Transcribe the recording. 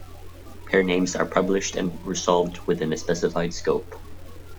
Peer names are published and resolved within a specified scope.